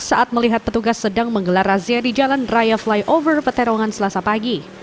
saat melihat petugas sedang menggelar razia di jalan raya flyover peterongan selasa pagi